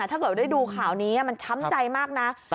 ถ้าเกิดได้ดูข่าวนี้มันช้ำใจมากนะ